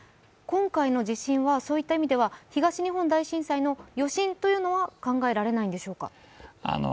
今回の地震はそういった意味では東日本大震災の余震というのは考えられないんでしょうか？